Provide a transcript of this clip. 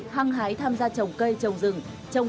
hăng hái tham gia trồng cây trồng rừng